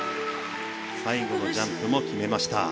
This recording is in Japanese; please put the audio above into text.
最後のジャンプも決めました。